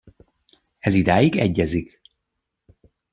Ez idáig egyezik.